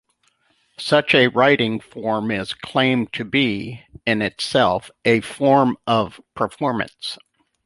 Such a writing form is claimed to be, in itself, a form of performance.